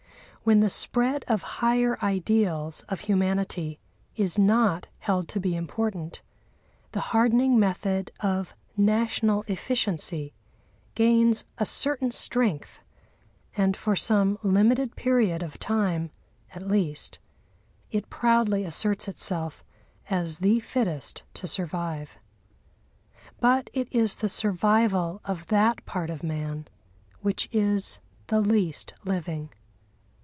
When the spread of higher ideals of humanity is not held to be important, the hardening method of national efficiency gains a certain strength; and for some limited period of time, at least, it proudly asserts itself as the fittest to survive. But it is the survival of that part of man which is the least living.